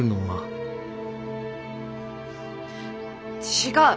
違う！